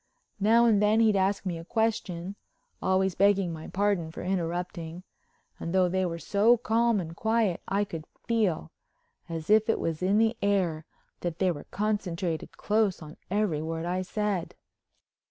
Now and then he'd ask me a question—always begging my pardon for interrupting—and though they were so calm and quiet I could feel, as if it was in the air, that they were concentrated close on every word I said.